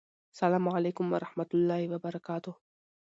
سلام علیکم ورحمته الله وبرکاته